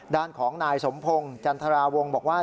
ด้านของนายสมพงศ์จันทราวงศ์บอกว่า